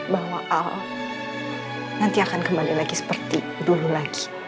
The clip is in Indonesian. bahwa al nanti akan kembali lagi seperti dulu lagi